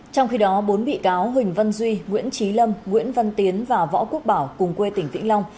trong khi đó bốn bị cáo huỳnh văn duy nguyễn trí lâm nguyễn văn tiến và võ quốc bảo cùng quê tỉnh vĩnh long